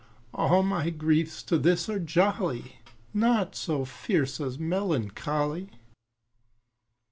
All my griefs to this are jolly, Naught so fierce as melancholy.